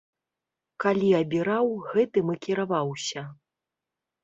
Калі абіраў, гэтым і кіраваўся.